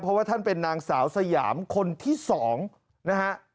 เพราะว่าท่านเป็นนางสาวสยามคนที่๒นะฮะ